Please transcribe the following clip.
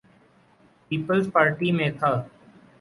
Peoples Party میں تھا۔